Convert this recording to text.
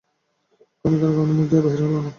খানিকক্ষণ আমার মুখ দিয়া বাহির হইল না।